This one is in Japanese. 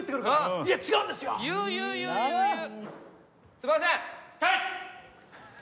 すいません。